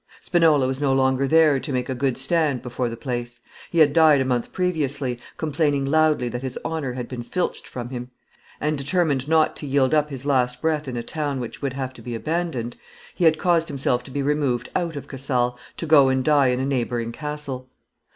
Spinola was no longer there to make a good stand before the place; he had died a month previously, complaining loudly that his honor had been filched from him; and, determined not to yield up his last breath in a town which would have to be abandoned, he had caused himself to be removed out of Casale, to go and die in a neighboring castle.